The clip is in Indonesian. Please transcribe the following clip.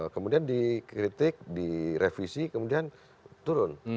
kemudian dikritik direvisi kemudian turun